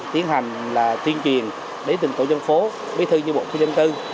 tiến hành là tiên truyền đến từng tổ chân phố bí thư như bộ phía dân tư